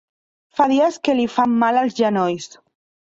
Fa dies que li fan mal els genolls.